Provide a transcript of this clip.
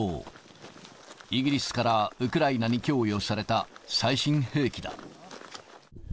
イギリスからウクライナに供与された最新兵器だ。